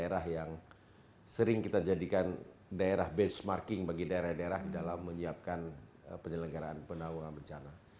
daerah yang sering kita jadikan daerah benchmarking bagi daerah daerah dalam menyiapkan penyelenggaraan penawangan bencana